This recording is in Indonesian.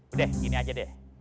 udah gini aja deh